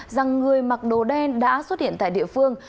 rằng người mặc đồ đen đã xuất hiện tại địa phương